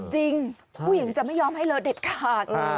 จริงผู้หญิงจะไม่ยอมให้เลอเด็ดขาด